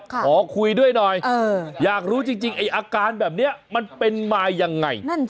ขอคุยด้วยหน่อยอยากรู้จริงไอ้อาการแบบนี้มันเป็นมายังไง